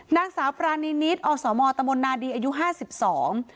นางสาวปรานีนิดอสมตมนาดีอายุห้าสิบสอง